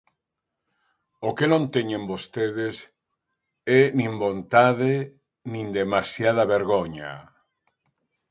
O que non teñen vostedes é nin vontade nin demasiada vergoña.